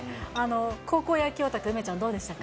高校野球オタク、梅ちゃん、どうでしたか。